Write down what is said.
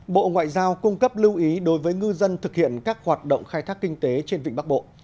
bộ ngoại giao cung cấp lưu ý đối với ngư dân thực hiện các hoạt động khai thác kinh tế trên vịnh bắc bộ